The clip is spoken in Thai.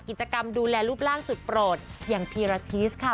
กิจกรรมดูแลรูปร่างสุดโปรดอย่างพีราธิสค่ะ